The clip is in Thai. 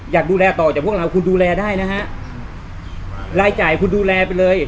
อยากดูแลต่อจากพวกเราคุณดูแลได้นะฮะรายจ่ายคุณดูแลไปเลย